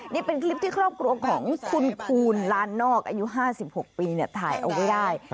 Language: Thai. นี่เป็นคลิปที่ครอบครัวของคุณคูณลานนอกอายุ๕๖ปีถ่ายเอาไว้ได้